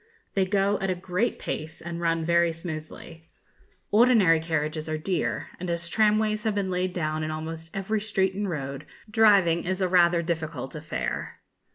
They go at a great pace, and run very smoothly. Ordinary carriages are dear; and as tramways have been laid down in almost every street and road, driving is a rather difficult affair.